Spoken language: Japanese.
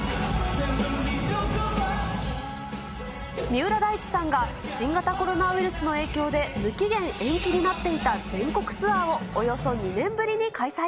三浦大知さんが、新型コロナウイルスの影響で無期限延期になっていた全国ツアーをおよそ２年ぶりに開催。